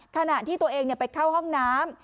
ขณะที่ตัวเองไปเข้าห้องน้ำ